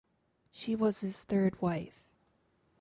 She was his third wife.